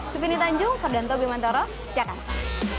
supini tanjung ferdanto bimantoro jakarta